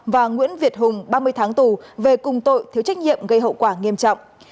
và nguyễn việt hùng ba mươi tháng tù về cùng tội thiếu trách nhiệm gây hậu quả nghiêm trọng